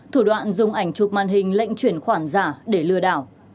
thủ đoạn dùng ảnh chụp màn hình lệnh chuyển khoản giả để lừa đảo